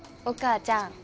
お母ちゃん。